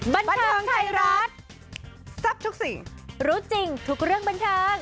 บันเทิงไทยรัฐทรัพย์ทุกสิ่งรู้จริงทุกเรื่องบันเทิง